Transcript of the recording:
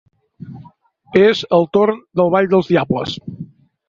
És el torn del ball dels diables.